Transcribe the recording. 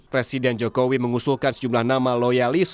presiden jokowi mengusulkan sejumlah nama loyalis